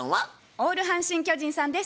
オール阪神・巨人さんです。